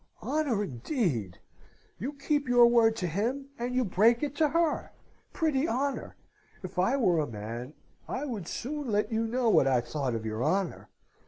"Honour, indeed! You keep your word to him, and you break it to her! Pretty honour! If I were a man, I would soon let you know what I thought of your honour!